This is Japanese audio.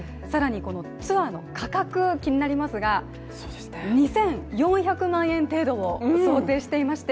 ツアーの価格、気になりますが、２４００万円程度を想定していまして。